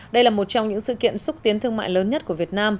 đây là một trong những sự kiện xúc tiến thương mại lớn nhất của việt nam